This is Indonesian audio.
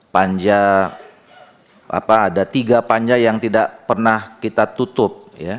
panja ada tiga panja yang tidak pernah kita tutup